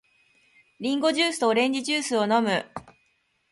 リンゴジュースとオレンジジュースを飲む。